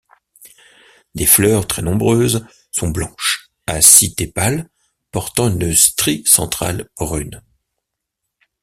Les fleurs, très nombreuses, sont blanches, à six tépales portant une strie centrale brune.